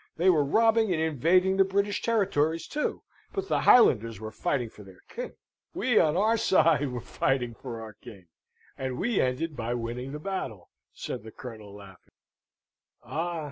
"They were robbing and invading the British territories, too. But the Highlanders were fighting for their king." "We, on our side, were fighting for our king; and we ended by winning the battle," said the Colonel, laughing. "Ah!"